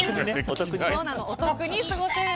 お得に過ごせるの。